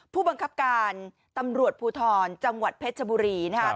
ผู้บังคับการตำรวจภูทรจังหวัดเพชรชบุรีนะครับ